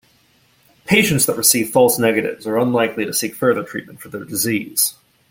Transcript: Patients that receive false negatives are unlikely to seek further treatment for their disease.